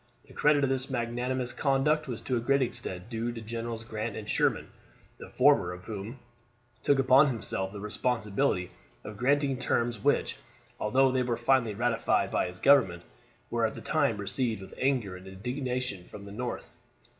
The credit of this magnanimous conduct was to a great extent due to Generals Grant and Sherman, the former of whom took upon himself the responsibility of granting terms which, although they were finally ratified by his government, were at the time received with anger and indignation in the North.